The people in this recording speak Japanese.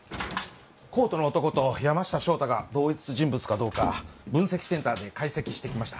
コートの男と山下翔太が同一人物かどうか分析センターで解析してきました。